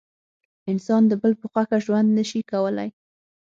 انسان د بل په خوښه ژوند نسي کولای.